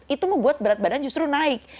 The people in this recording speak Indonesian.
itu membuat berat badan justru naik